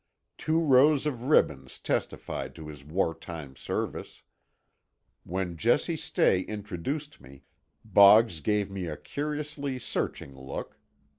Two rows of ribbons testified to his wartime service. When Jesse Stay introduced me, Boggs gave me a curiously searching look.